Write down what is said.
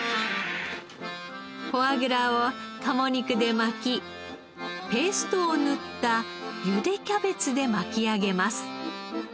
フォアグラを鴨肉で巻きペーストを塗った茹でキャベツで巻き上げます。